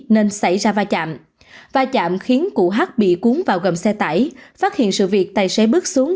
nên xảy ra va chạm va chạm khiến cụ h bị cuốn vào gầm xe tải phát hiện sự việc tài xế bước xuống